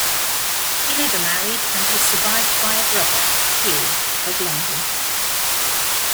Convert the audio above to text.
He never married, and was survived by a brother, Hugh, of London.